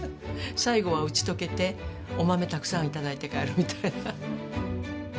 最後は打ち解けてお豆たくさん頂いて帰るみたいな。